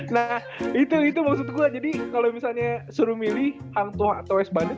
nah itu itu maksud gue jadi kalau misalnya suruh milih hang tua atau west bandit